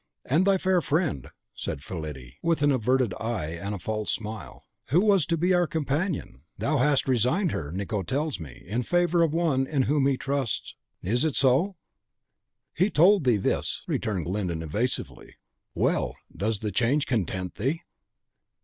"And thy fair friend," said Fillide, with an averted eye and a false smile, "who was to be our companion? thou hast resigned her, Nicot tells me, in favour of one in whom he is interested. Is it so?" "He told thee this!" returned Glyndon, evasively. "Well! does the change content thee?"